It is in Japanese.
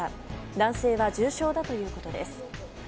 男性は重傷だということです。